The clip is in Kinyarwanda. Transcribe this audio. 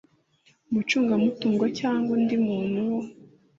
umucungamutungo cyangwa undi muntu wo